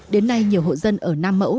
đến nay nhiều hộ dân ở nam mẫu